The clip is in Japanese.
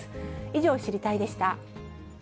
以上、知りたいッ！でした。